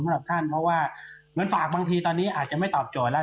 สำหรับท่านเพราะว่าเงินฝากบางทีตอนนี้อาจจะไม่ตอบโจทย์แล้ว